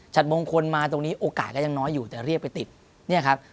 มงคลมาตรงนี้โอกาสก็ยังน้อยอยู่แต่เรียกไปติดเนี่ยครับ